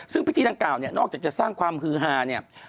ซึ่งพิธีดังกล่าวเนี่ยนอกจากจะสร้างความฮือฮาเนี่ย